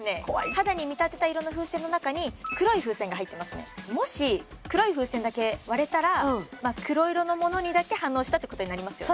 肌に見立てた色の風船の中に黒い風船が入ってますねもし黒い風船だけ割れたら黒色のものにだけ反応したってことになりますよね